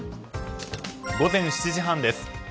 午前７時半です。